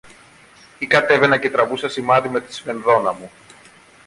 ή κατέβαινα και τραβούσα σημάδι με τη σφενδόνα μου